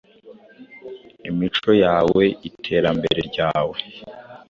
Imico yawe, iterambere ryawe,